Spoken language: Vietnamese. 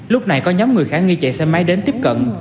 lúc này có nhóm người khả nghi chạy xe máy đến tiếp cận